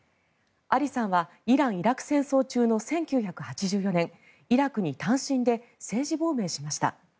アリさんはイラン・イラク戦争中の１９８４年イラクに単身で政治亡命しました。